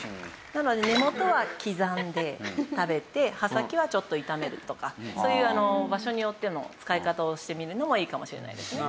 なので根元は刻んで食べて葉先はちょっと炒めるとかそういう場所によっての使い方をしてみるのもいいかもしれないですね。